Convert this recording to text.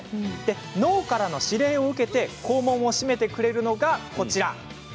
脳からの指令を受けて肛門をしめてくれるのが、こちら。